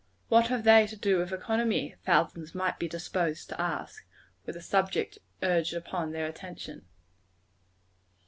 What have they to do with economy? thousands might be disposed to ask, were the subject urged upon their attention.